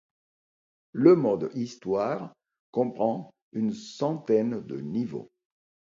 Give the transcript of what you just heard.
Le mode histoire comprend une centaine de niveaux.